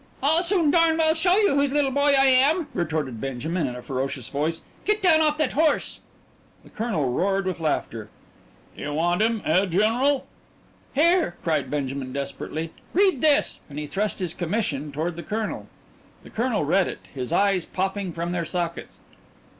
"I'll soon darn well show you whose little boy I am!" retorted Benjamin in a ferocious voice. "Get down off that horse!" The colonel roared with laughter. "You want him, eh, general?" "Here!" cried Benjamin desperately. "Read this." And he thrust his commission toward the colonel. The colonel read it, his eyes popping from their sockets.